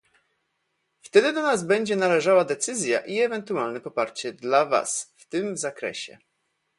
Wtedy do nas będzie należała decyzja i ewentualne poparcie dla was w tym zakresie